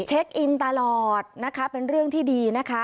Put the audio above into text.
เช็คอินตลอดนะคะเป็นเรื่องที่ดีนะคะ